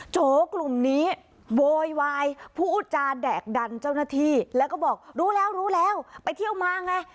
โจกลุ่มนี้โวยวายพูดจาแดกดันเจ้าหน้าที่แล้วก็บอกรู้แล้วรู้แล้วไปเที่ยวมาไง